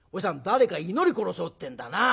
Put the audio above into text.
誰か祈り殺そうってんだな。